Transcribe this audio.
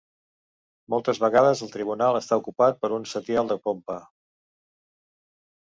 Moltes vegades el tribunal està ocupat per un setial de pompa.